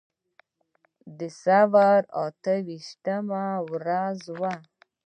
د ثور اته ویشتمه ورځ وه.